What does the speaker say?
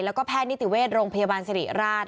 แล้วก็แพทย์นิติเวชโรงพยาบาลสิริราช